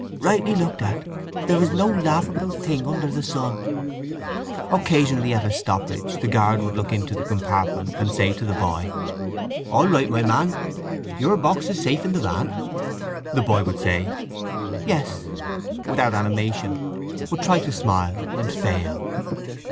Rightly looked at, there is no laughable thing under the sun." Occasionally, at a stoppage, the guard would look into the compartment and say to the boy, "All right, my man. Your box is safe in the van." The boy would say, "Yes," without animation, would try to smile, and fail.